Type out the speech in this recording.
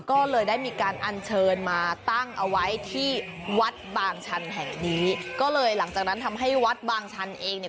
ก็เลยได้มีการอัญเชิญมาตั้งเอาไว้ที่วัดบางชันแห่งนี้ก็เลยหลังจากนั้นทำให้วัดบางชันเองเนี่ย